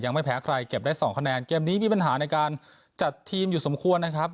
ไม่แพ้ใครเก็บได้สองคะแนนเกมนี้มีปัญหาในการจัดทีมอยู่สมควรนะครับ